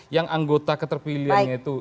yang anggota keterpilihannya itu